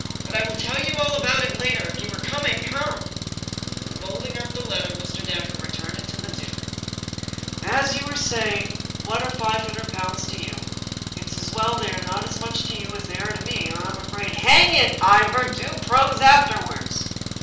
But I will tell you all about it later. If you are coming, come !" Folding up the letter, Mr. Dacre returned it to the duke. 283 English Mystery Stories " As you say, what are five hundred pounds to you ? It's as well they are not as much to you as they are to me, or I'm afraid "" Hang it, Ivor, do prose afterwards